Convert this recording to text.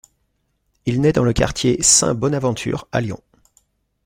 Il naît dans le quartier Saint-Bonaventure à Lyon.